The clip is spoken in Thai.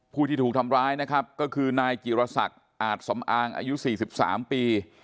ผู้ที่ถูกทำร้ายนะครับก็คือนายจิรษักอาจสำอางอายุ๔๓ปี